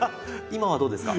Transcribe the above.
今はどうですか？